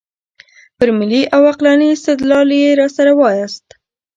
پر ملي او عقلاني استدلال یې راسره وایاست.